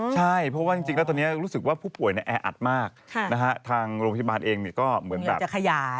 แต่พูดถึงก็ไม่เป็นคนทุบหรอก